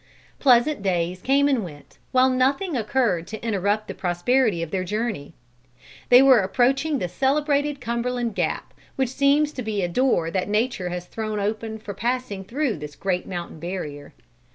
Pleasant days came and went, while nothing occurred to interrupt the prosperity of their journey. They were approaching the celebrated Cumberland Gap, which seems to be a door that nature has thrown open for passing through this great mountain barrier.